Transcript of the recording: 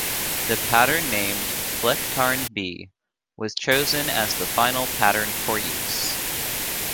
The pattern named "Flecktarn B" was chosen as the final pattern for use.